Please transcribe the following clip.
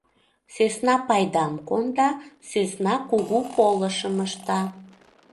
Сӧсна пайдам конда, сӧсна кугу полышым ышта.